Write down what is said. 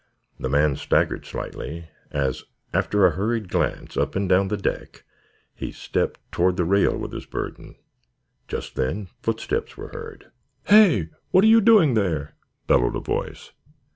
The man staggered slightly, as, after a hurried glance up and down the deck, he stepped toward the rail with his burden. Just then footsteps were heard. "Hey! What are you doing there?" bellowed a voice.